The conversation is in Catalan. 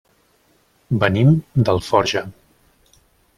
Venim d'Alforja.